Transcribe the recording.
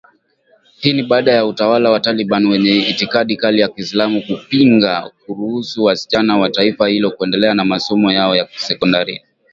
Hii ni baada ya utawala wa Taliban wenye itikadi kali za kiislamu, kupinga kuruhusu wasichana wa taifa hilo kuendelea na masomo yao ya sekondari